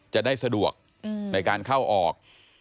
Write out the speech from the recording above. จะได้สะดวกในการเข้าออก